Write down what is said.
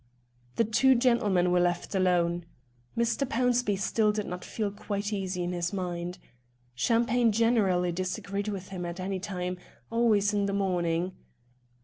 The two gentlemen were left alone. Mr. Pownceby still did not feel quite easy in his mind. Champagne generally disagreed with him at any time, always in the morning.